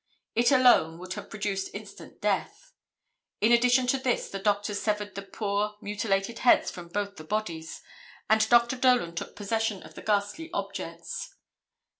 It alone would have produced instant death. In addition to this the doctors severed the poor, mutilated heads from both the bodies, and Dr. Dolan took possession of the ghastly objects.